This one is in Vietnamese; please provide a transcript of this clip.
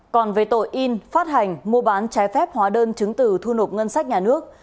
còn về tội in phát hành mua bán trái phép hóa đơn chứng từ thu nộp ngân sách nhà nước